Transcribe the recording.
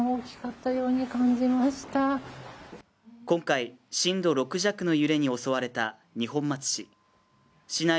今回震度６弱の揺れに襲われた二本松市。